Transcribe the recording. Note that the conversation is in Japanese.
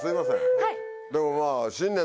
でもまぁ。